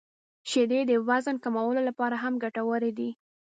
• شیدې د وزن کمولو لپاره هم ګټورې دي.